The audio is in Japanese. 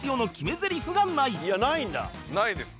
「ないです」